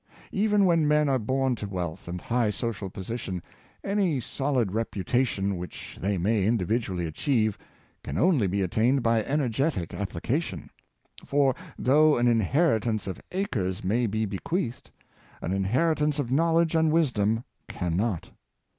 Even when men are born to wealth and high social position, any solid reputation which they may individually achieve can only be attained by energetic application; for, though an inheritance of acres may be bequeathed, an inheritance of knowledge and wisdom can not.